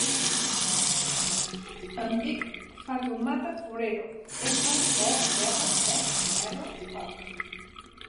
Em dic Fatoumata Forero: efa, o, erra, e, erra, o.